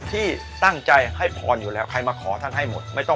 ที่ตั้งใจให้พรอยู่แล้วใครมาขอท่านให้หมดไม่ต้อง